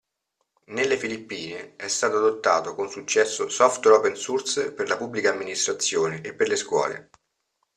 Nelle Filippine è stato adottato con successo software open source per la Pubblica Amministrazione e per le scuole.